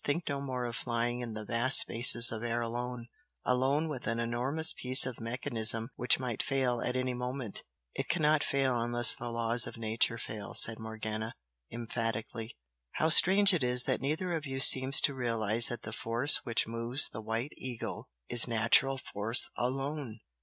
Think no more of flying in the vast spaces of air alone alone with an enormous piece of mechanism which might fail at any moment " "It cannot fail unless the laws of nature fail!" said Morgana, emphatically "How strange it is that neither of you seems to realise that the force which moves the 'White Eagle' is natural force alone!